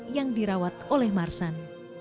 yang dirawat oleh marsan